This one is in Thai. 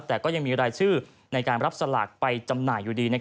แต่ก็ยังมีรายชื่อในการรับสลากไปจำหน่ายอยู่ดี